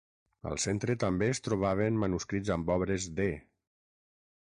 Al Centre també es trobaven manuscrits amb obres d’E.